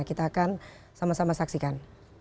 kita akan sama sama saksikan